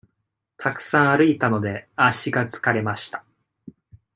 たくさん歩いたので、足が疲れました。